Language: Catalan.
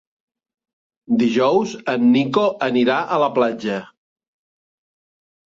Dijous en Nico anirà a la platja.